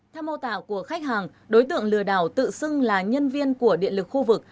theo mô tả của khách hàng đối tượng lừa đảo tự xưng là nhân viên của điện lực khu vực